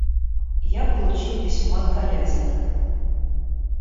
Я получил письмо от Колязина.